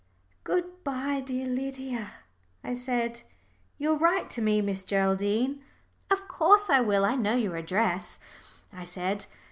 "Good bye, dear Lydia," I said. "You will write to me, Miss Geraldine?" "Of course I will; I know your address," I said.